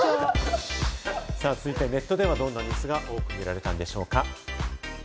続いてはネットではどんな話題が多く見られたのでしょうか。